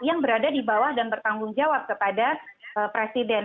yang berada di bawah dan bertanggung jawab kepada presiden